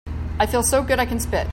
I feel so good I could spit.